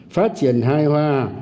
phát triển hài hòa